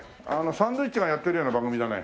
サンドウィッチがやってるような番組だね。